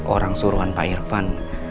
orang suruhan pak irvan